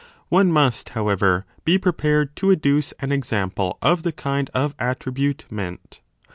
One must, how ever, be prepared to adduce an example of the kind of attribute meant.